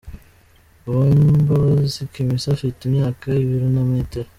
Uwimbabazi Kimisa afite imyaka , ibiro na metero .